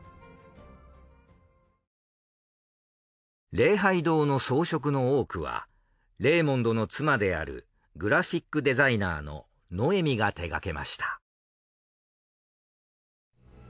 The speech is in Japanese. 「礼拝堂」の装飾の多くはレーモンドの妻であるグラフィックデザイナーのノエミが手がけました。